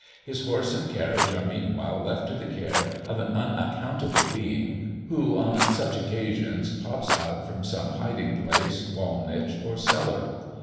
His horse and carriage are meanwhile left to the care of an unaccountable being, who on such occasions pops out from some hiding place, wall niche, or cellar.